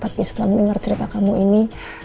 tapi setelah mendengar cerita kamu ini